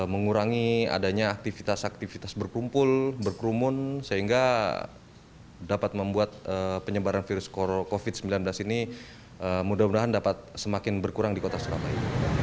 mengurangi adanya aktivitas aktivitas berkumpul berkerumun sehingga dapat membuat penyebaran virus covid sembilan belas ini mudah mudahan dapat semakin berkurang di kota surabaya